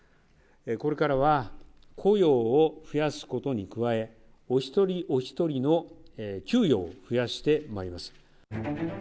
これからは雇用を増やすことに加え、お一人お一人の給与を増やしてまいります。